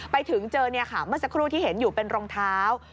ไปถึงเจอเมื่อสักครู่ที่เห็นอยู่เป็นรองเท้า